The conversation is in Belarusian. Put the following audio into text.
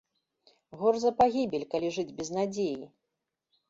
Горш за пагібель, калі жыць без надзеі!